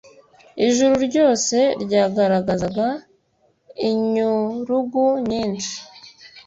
Ijuru ryose ryagaragazaga inyurugu nyinshi.